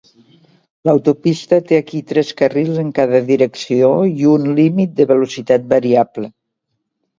L'autopista té aquí tres carrils en cada direcció i un límit de velocitat variable.